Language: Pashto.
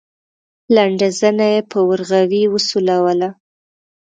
لنډه زنه يې په ورغوي وسولوله.